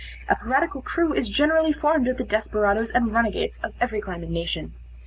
A piratical crew is generally formed of the desperadoes and runagates of every clime and nation.